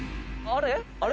あれ？